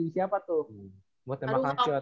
siapa tuh buat tembak last shot